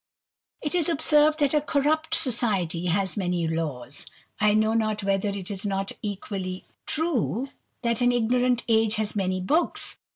^ It is observed that a corrupt society has many laws ; I know not whether it is not equally true, that an ignorant age has many books.